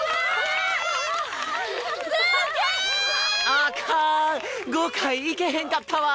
あかん５回いけへんかったわ。